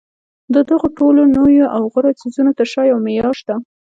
د دغو ټولو نویو او غوره څیزونو تر شا یو معیار شته